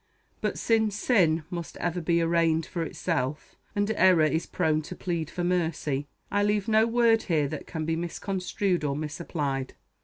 But since sin must ever be arraigned for itself, and error is prone to plead for mercy, I leave no word here that can be misconstrued or misapplied.